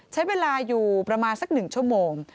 ใช้เวลาอยู่ประมาณสัก๑ชั่วโมง